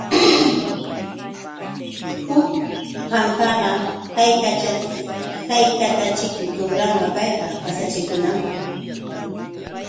Huk lawpaqa, ¿haykataćhik kubrayan payqa? Pasahikunapaq.